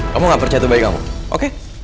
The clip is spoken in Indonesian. kamu gak percaya tuh bayi kamu oke